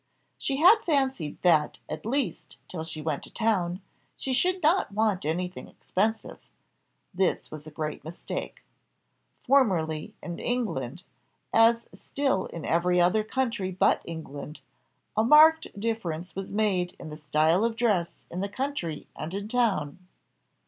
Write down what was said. She had fancied that, at least, till she went to town, she should not want anything expensive this was a great mistake. Formerly in England, as still in every other country but England, a marked difference was made in the style of dress in the country and in town.